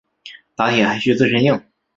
打铁还需自身硬。